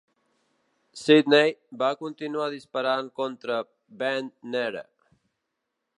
"Sydney" va continuar disparant contra "Bande Nere".